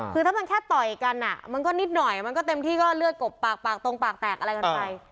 คือถ้ามันแค่ต่อยกันมันก็นิดหน่อยมันก็เต็มที่ก็เลือดกบปากปากตรงปากแตกอะไรกันไป